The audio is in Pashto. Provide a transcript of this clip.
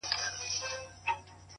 لوړ فکر نوې مفکورې زېږوي؛